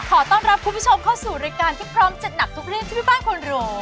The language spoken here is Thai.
ขอต้อนรับคุณผู้ชมเข้าสู่รายการที่พร้อมจัดหนักทุกเรื่องที่แม่บ้านควรรู้